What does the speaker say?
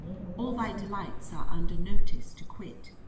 All thy delights are under notice to quit.